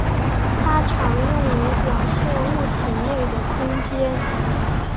它常用于表现物体内的空间。